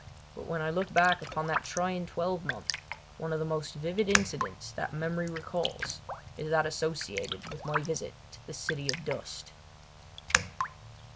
But when I look back upon that trying twelvemonth one of the most vivid incidents that memory recalls is that associated with my visit to the City of Dust.